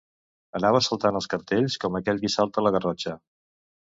Anava saltant els cartells com aquell qui salta la garrotxa